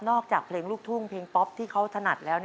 จากเพลงลูกทุ่งเพลงป๊อปที่เขาถนัดแล้ว